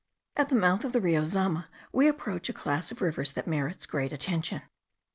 At the mouth of the Rio Zama we approach a class of rivers, that merits great attention.